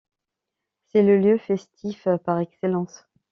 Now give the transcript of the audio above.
C'est le lieu festif par excellence.